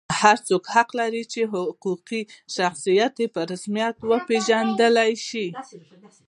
هر څوک حق لري چې حقوقي شخصیت یې په رسمیت وپېژندل شي.